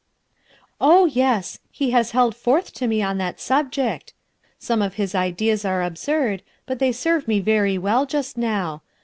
" Oh, yes, he has held forth to me on that sub ject* Sonic of faia ideas arc absurd, but they serve me very well just now.